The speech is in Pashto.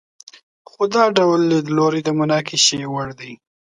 خو دا ډول لیدلوری د مناقشې وړ دی.